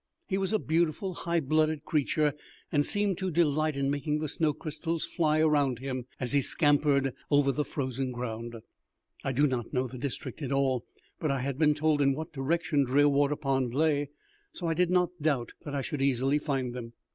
He was a beautiful high blooded creature, and seemed to delight in making the snow crystals fly around him, as he scampered over the frozen ground. I did not know the district at all, but I had been told in what direction Drearwater Pond lay, so I did not doubt that I should easily find them.